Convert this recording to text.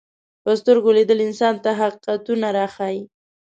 په سترګو لیدل انسان ته حقیقتونه راښيي